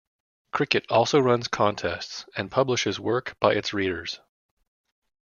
"Cricket" also runs contests and publishes work by its readers.